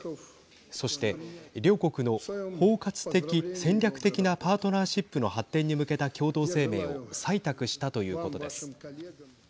そして両国の包括的、戦略的なパートナーシップの発展に向けた共同声明を採択したということです。